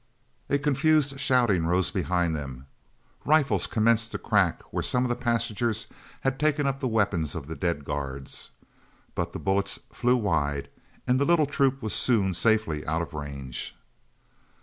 A confused shouting rose behind them. Rifles commenced to crack where some of the passengers had taken up the weapons of the dead guards, but the bullets flew wide, and the little troop was soon safely out of range.